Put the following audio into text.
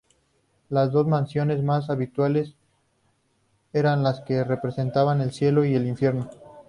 Las dos mansiones más habituales eran las que representaban el cielo y el infierno.